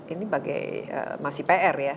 ini bagai masih pr ya